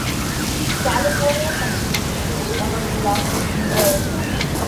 The California Constitution is one of the longest in the world.